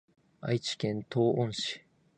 愛媛県東温市